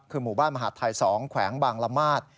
คือหมู่บ้านมหาดไทย๒แขวงบางละมาด